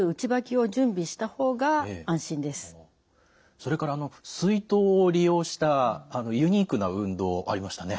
それから水筒を利用したユニークな運動ありましたね。